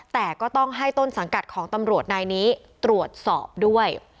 แต่ก็ต้องให้ต้นสังกัดของตำรวจนายนี้ตรวจสอบด้วย